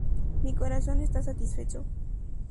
Mi corazón está satisfecho.